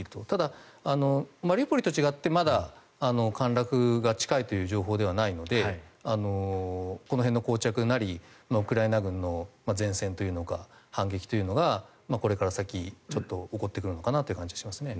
ただ、マリウポリと違ってまだ陥落が近いという情報ではないのでこの辺のこう着なりウクライナの前線というか反撃がこれから先起こってくる感じはします。